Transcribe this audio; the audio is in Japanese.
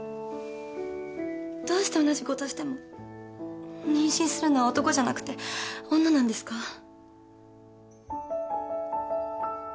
どうして同じことしても妊娠するのは男じゃなくて女なんですか？